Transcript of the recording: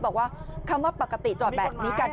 บอกว่าคำว่าปกติจอดแบบนี้กัน